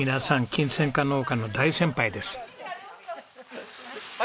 キンセンカ農家の大先輩です。